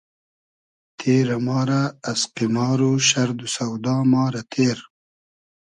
تېرۂ ما رۂ از قیمار و شئرد و سۆدا ما رۂ تیر